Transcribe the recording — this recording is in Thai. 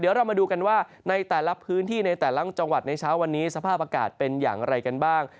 เดี๋ยวเรามาดูกันว่าในแต่ละพื้นที่ในแต่ละจังหวัดในเช้าวันนี้สภาพอากาศเป็นอย่างไรกันบ้าง